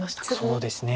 そうですね。